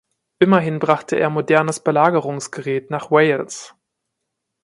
Immerhin brachte er modernes Belagerungsgerät nach Wales.